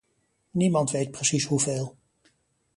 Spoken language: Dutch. Niemand weet precies hoeveel.